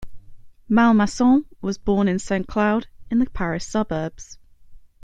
Malmasson was born in Saint-Cloud in the Paris suburbs.